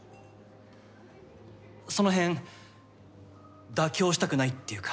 そのへん妥協したくないっていうか。